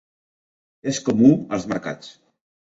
És comú als mercats.